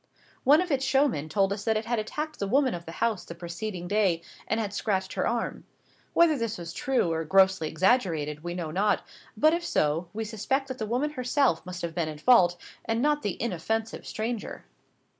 One of its showmen told us that it had attacked the woman of the house the preceding day, and had scratched her arm. Whether this was true or grossly exaggerated, we know not; but if so, we suspect that the woman herself must have been in fault, and not the inoffensive stranger.